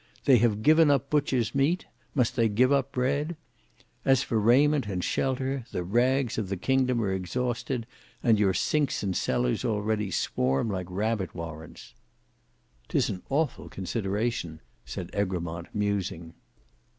They have given up butcher's meat; must they give up bread? And as for raiment and shelter, the rags of the kingdom are exhausted and your sinks and cellars already swarm like rabbit warrens. "'Tis an awful consideration," said Egremont musing.